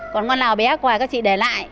còn con nào bé hoài các chị để lại